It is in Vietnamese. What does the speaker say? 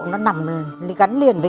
nó nằm gắn liền với